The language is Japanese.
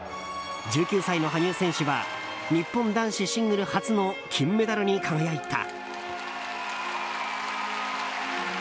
１９歳の羽生選手は日本男子シングル初の金メダルに輝いた。